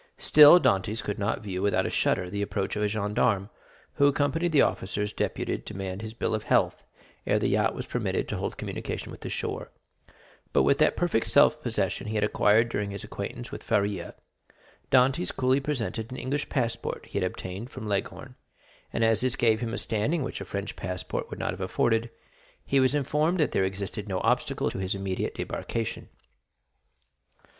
0315m Still Dantès could not view without a shudder the approach of a gendarme who accompanied the officers deputed to demand his bill of health ere the yacht was permitted to hold communication with the shore; but with that perfect self possession he had acquired during his acquaintance with Faria, Dantès coolly presented an English passport he had obtained from Leghorn, and as this gave him a standing which a French passport would not have afforded, he was informed that there existed no obstacle to his immediate debarkation.